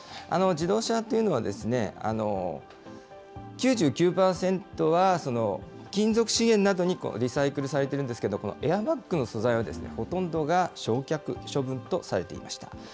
自動車というのは、９９％は金属資源などにリサイクルされているんですけれども、このエアバッグの素材はほとんどが、焼却処分とされていました。